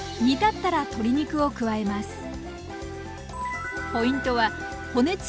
煮立ったら鶏肉を加えます。